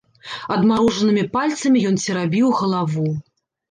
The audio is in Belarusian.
Адмарожанымі пальцамі ён церабіў галаву.